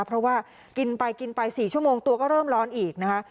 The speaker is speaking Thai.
เพราะว่ากินไปกินไป๔ชั่วโมงตัวก็เริ่มร้อนอีกนะคะ